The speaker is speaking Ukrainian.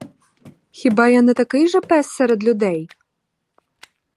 Хіба я не такий же пес серед людей?